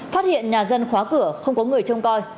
phát hiện nhà dân khóa cửa không có người trông coi